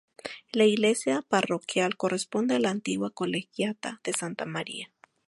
La iglesia parroquial corresponde a la antigua colegiata de Santa María.